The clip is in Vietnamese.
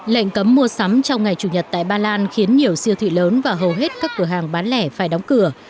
lệnh cấm mua sắm trong ngày chủ nhật tại ba lan khiến nhiều siêu thị lớn và hầu hết các cửa hàng bán lẻ phải đóng cửa